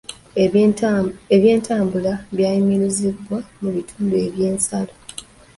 Eby'entambula byayimirizibwa ku bitundu by'ensalo.